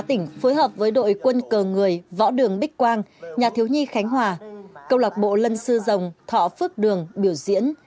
tỉnh phối hợp với đội quân cờ người võ đường bích quang nhà thiếu nhi khánh hòa câu lạc bộ lân sư dòng thọ phước đường biểu diễn